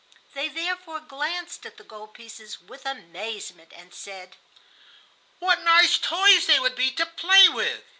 They therefore glanced at the gold pieces with amazement, and said, "What nice toys they would be to play with!"